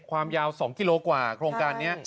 ความยาว๒กิโลกว่าโครงการนี้